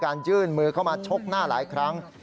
ยื่นมือเข้ามาชกหน้าหลายครั้ง